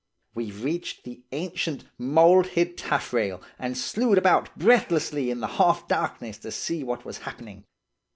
"We reached the ancient, mould hid taffrail, and slewed about breathlessly in the half darkness to see what was happening.